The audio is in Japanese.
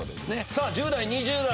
さあ１０代２０代